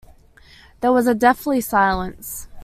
There was a deathly silence.